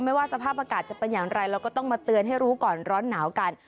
ว่าสภาพอากาศจะเป็นอย่างไรเราก็ต้องมาเตือนให้รู้ก่อนร้อนหนาวกัน